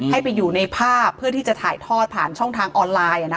ให้ไปอยู่ในภาพเพื่อที่จะถ่ายทอดผ่านช่องทางออนไลน์